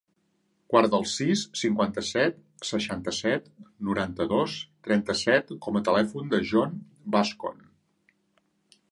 Guarda el sis, cinquanta-set, seixanta-set, noranta-dos, trenta-set com a telèfon del Jon Bascon.